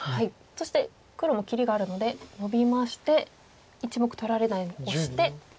そして黒も切りがあるのでノビまして１目取られないようにオシて。